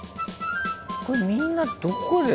これみんなどこで。